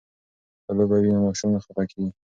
که لوبه وي نو ماشوم نه خفه کیږي.